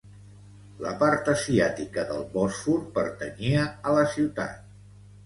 La part asiàtica del Bòsfor pertanyia a la ciutat.